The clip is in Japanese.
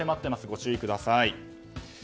ご注意ください。